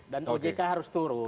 dan ojk harus turun